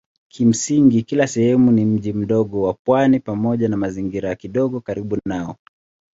Kimsingi kila sehemu ni mji mdogo wa pwani pamoja na mazingira kidogo karibu nao.